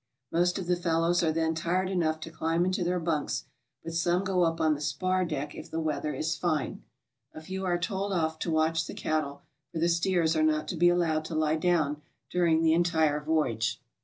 Most of the fellows are then tired enough to climb into their bunks, but some go up on the spar deck if the weather is fine. A few are told off to HOW TO GO. 51 watch the cattle, for the steers are not to be all owed to lie down during the entire voyage.